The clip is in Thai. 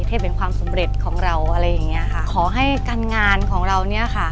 เทพแห่งความสำเร็จของเราอะไรอย่างเงี้ยค่ะขอให้การงานของเราเนี้ยค่ะ